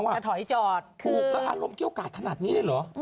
จะถอยจอดคืออารมณ์เกี่ยวกาศถนัดนี้เลยเหรอ